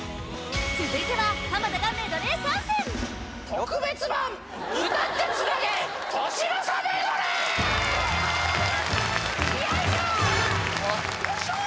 続いては浜田がメドレー参戦特別版歌ってつなげ年の差メドレーよいしょー！